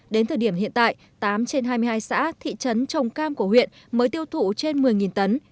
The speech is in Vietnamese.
đến thời điểm hiện tại tám trên hai mươi hai xã thị trấn trồng cam của huyện mới tiêu thụ trên một mươi tấn